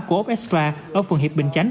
của úc extra ở phường hiệp bình chánh